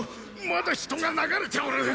まだ人が流れておる！